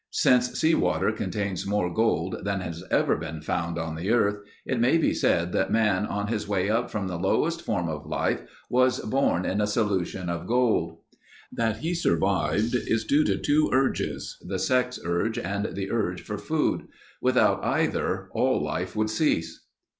Since sea water contains more gold than has ever been found on the earth, it may be said that man on his way up from the lowest form of life was born in a solution of gold. That he survived, is due to two urges—the sex urge and the urge for food. Without either all life would cease.